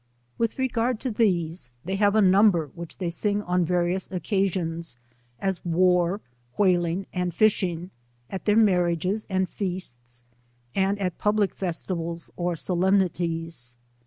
With regard to these, they have a number which 87 they sing oa various occasions ; as wa*,* whaling. and fishing,' at their marriages and feasts, and at ■public festivals or solemnities.